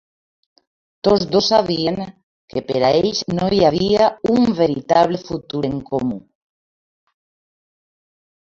Tots dos sabien que per a ells no hi havia un veritable futur en comú.